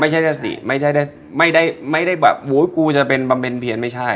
ไม่ใช่นะสิไม่ได้ไม่ได้แบบอุ้ยกูจะเป็นบำเพ็ญเพียนไม่ใช่